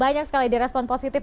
banyak sekali di respon positif